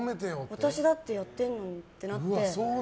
私だってやってるのにってなって。